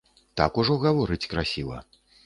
Так ужо гаворыць красіва.